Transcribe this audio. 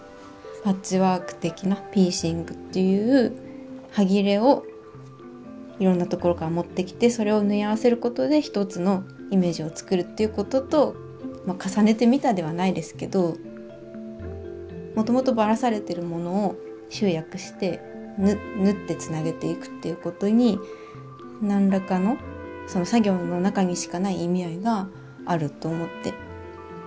パッチワーク的なピーシングっていうはぎれをいろんなところから持ってきてそれを縫い合わせることで一つのイメージを作るっていうことと重ねてみたではないですけどもともとばらされてるものを集約して縫ってつなげていくっていうことに何らかのその作業の中にしかない意味合いがあると思って。